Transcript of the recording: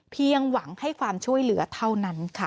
เพียงหวังให้ความช่วยเหลือเท่านั้นค่ะ